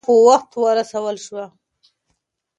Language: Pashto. مرسته په وخت ورسول شوه.